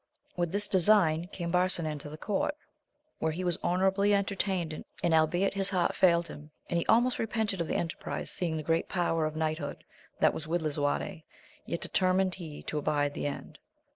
With this design came Barsinan to the court, where he was honourably entertained, and albeit his heart failed him, and he almost repented of the enterprise, seeing the great power of knighthood that was with Lisuarte, yet determined he to abide the end.